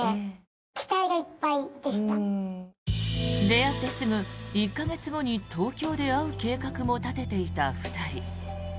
出会ってすぐ１か月後に東京で会う計画も立てていた２人。